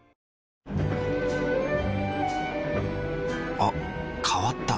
あ変わった。